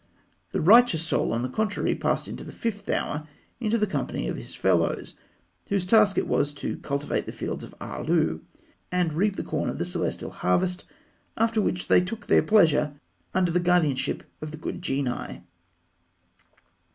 The righteous Soul, on the contrary, passed in the fifth hour into the company of his fellows, whose task it was to cultivate the Fields of Aalû and reap the corn of the celestial harvest, after which they took their pleasure under the guardianship of the good genii.